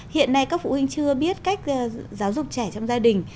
hiện nay các phụ huynh chưa biết cách giáo dục trẻ trong gia đình